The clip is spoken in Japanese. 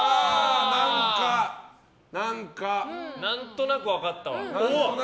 何となく分かったわ。